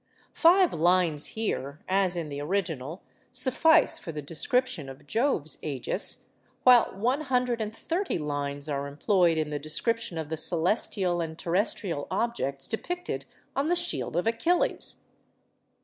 Five lines here, as in the original, suffice for the description of Jove's Ægis, while one hundred and thirty lines are employed in the description of the celestial and terrestrial objects depicted on the shield of Achilles.